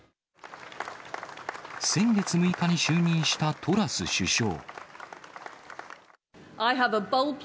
先月６日に就任したトラス首相。